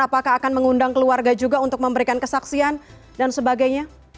apakah akan mengundang keluarga juga untuk memberikan kesaksian dan sebagainya